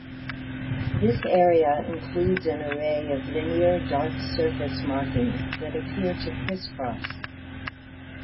This area includes an array of linear dark surface markings that appear to criss-cross.